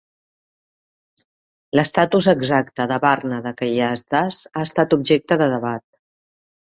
L'estatus exacte de "varna" de Kayasthas ha estat objecte de debat.